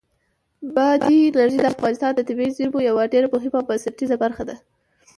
بادي انرژي د افغانستان د طبیعي زیرمو یوه ډېره مهمه او بنسټیزه برخه ده.